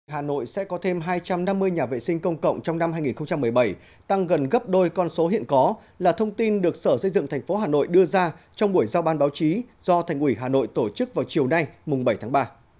hà nội sẽ có thêm hai trăm năm mươi nhà vệ sinh công cộng trong năm hai nghìn một mươi bảy tăng gần gấp đôi con số hiện có là thông tin được sở xây dựng thành phố hà nội đưa ra trong buổi giao ban báo chí do thành ủy hà nội tổ chức vào chiều nay mùng bảy tháng ba